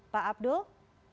pak abdul selamat malam